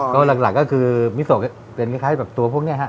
หลักก็คือมิโซเป็นคล้ายแบบตัวพวกนี้ฮะ